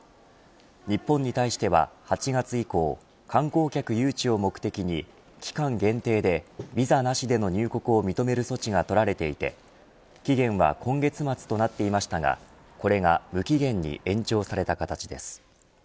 日本に対しては８月以降観光客誘致を目的に、期間限定でビザなしでの入国を認める措置が取られていて期限は今月末となっていましたがそれが無期限に延長された形です。